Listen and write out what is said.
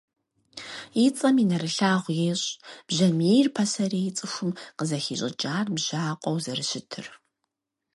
И цӀэми нэрылъагъу ещӀ бжьамийр пасэрей цӀыхум къызыхищӀыкӀар бжьакъуэу зэрыщытыр.